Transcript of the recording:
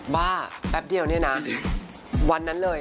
บ้าแป๊บเดียวเนี่ยนะวันนั้นเลย